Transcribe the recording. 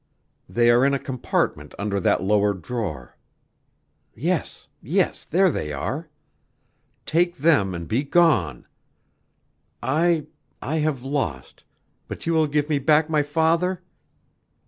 They are in a compartment under that lower drawer. Yes, yes there they are; take them and be gone. I I have lost but you will give me back my father?